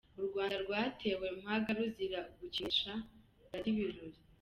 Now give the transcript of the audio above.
U Rwanda rwatewe mpaga ruzira gukinisha Dady Birori.